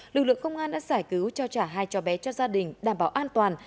lực lượng công an đã giải cứu trao trả hai cho bé cho gia đình đảm bảo an toàn